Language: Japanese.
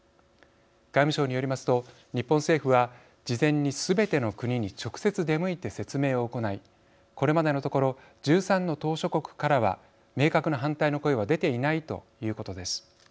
外務省によりますと日本政府は事前にすべての国に直接、出向いて説明を行いこれまでのところ１３の島しょ国からは明確な反対の声は出ていないということです。